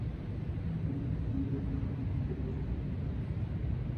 体育场的主要使用者将为亚塞拜然国家足球队。